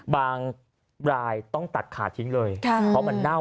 บางรายต้องตัดขาดทิ้งเลยเพราะมันเน่ามันกินไปแล้ว